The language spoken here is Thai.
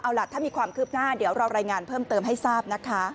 เอาล่ะถ้ามีความคืบหน้าเดี๋ยวเรารายงานเพิ่มเติมให้ทราบนะคะ